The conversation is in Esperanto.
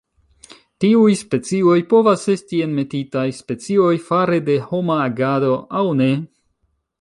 Tiuj specioj povas esti enmetitaj specioj fare de homa agado aŭ ne.